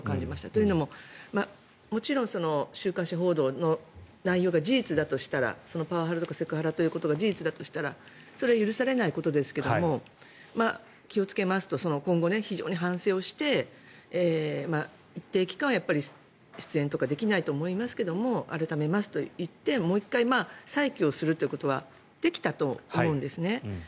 というのも、もちろん週刊誌報道の内容が事実だとしたらパワハラとかセクハラだということが事実だとしたらそれは許されないことですが気をつけますと今後、非常に反省をして一定期間は出演とかできないと思いますが改めますと言ってもう１回再起することはできたと思うんですね。